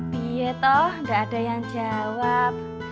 bie toh gak ada yang jawab